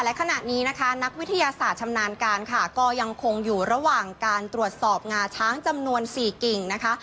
และขณะนี้นะคะนักวิทยาศาสตร์ชำนาญการค่ะก็ยังคงอยู่ระหว่างการตรวจสอบงาช้างจำนวน๔กิ่งนะคะ